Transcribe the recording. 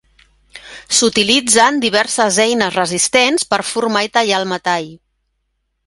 S'utilitzen diverses eines resistents per formar i tallar el metall.